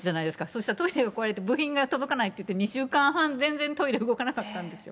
そうしたらトイレが壊れて部品が届かなくて、２週間半、全然トイレ動かなかったんです。